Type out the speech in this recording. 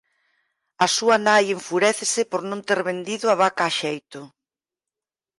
A súa nai enfurécese por non ter vendido a vaca a xeito.